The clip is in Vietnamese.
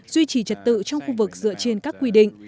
duy trì trật tự trong khu vực dựa trên các quy định